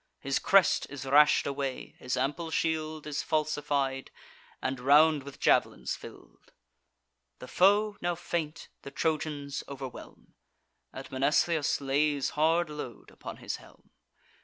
His crest is rash'd away; his ample shield Is falsified, and round with jav'lins fill'd. The foe, now faint, the Trojans overwhelm; And Mnestheus lays hard load upon his helm.